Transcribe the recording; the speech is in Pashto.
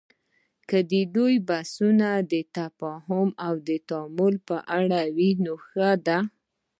که د دوی بحثونه د تفاهم او تعاون په اړه وي، نو ښه دي